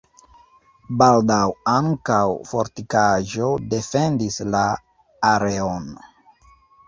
Baldaŭ ankaŭ fortikaĵo defendis la areon.